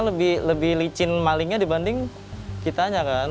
karena lebih licin malingnya dibanding kitanya kan